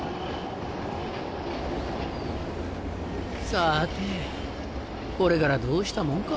さぁてこれからどうしたもんか。